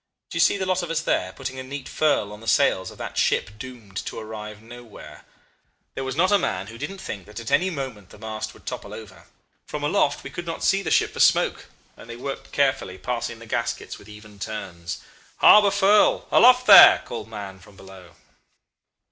Do you see the lot of us there, putting a neat furl on the sails of that ship doomed to arrive nowhere? There was not a man who didn't think that at any moment the masts would topple over. From aloft we could not see the ship for smoke, and they worked carefully, passing the gaskets with even turns. 'Harbour furl aloft there!' cried Mahon from below.